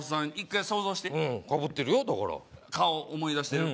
１回想像してかぶってるよだから顔思い出してる？